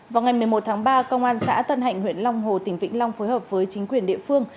vào ngày một mươi một tháng ba công an xã tân hạnh huyện long hồ tỉnh vĩnh long phối hợp với chính quyền địa phương